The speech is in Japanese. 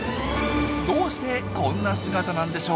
どうしてこんな姿なんでしょう？